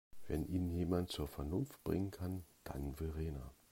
Wenn ihn jemand zur Vernunft bringen kann, dann Verena.